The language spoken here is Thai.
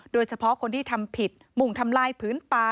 โดยเฉพาะคนที่ทำผิดมุ่งทำลายพื้นป่า